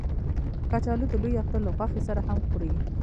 کچالو د لوی اختر له غوښې سره هم خوري